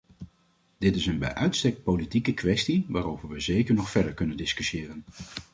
Dit is een bij uitstek politieke kwestie, waarover we zeker nog verder kunnen discussiëren.